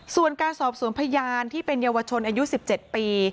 ส่วนการสอบสวนพยานที่เป็นเยาวชนอายุ๑๗ปี